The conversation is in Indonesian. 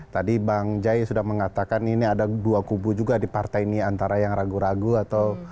tadi bang jai sudah mengatakan ini ada dua kubu juga di partai ini antara yang ragu ragu atau